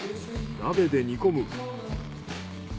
鍋で煮込む。